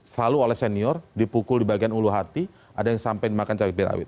selalu oleh senior dipukul di bagian ulu hati ada yang sampai dimakan cabai rawit